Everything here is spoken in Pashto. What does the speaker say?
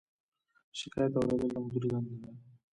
شکایت اوریدل د مدیر دنده ده